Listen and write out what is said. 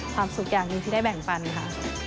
ความสุขอย่างหนึ่งที่ได้แบ่งปันค่ะ